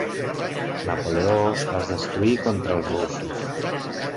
Napoleó es destruí contra els russos.